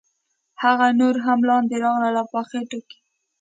هغه نور هم لاندې راغلل او په خټو کې.